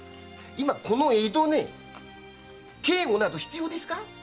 今この江戸に警護など必要ですか？